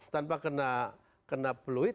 tanpa kena peluit